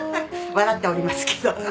笑っておりますけど。